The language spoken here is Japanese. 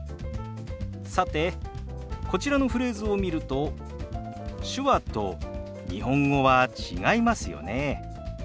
さてこちらのフレーズを見ると手話と日本語は違いますよね。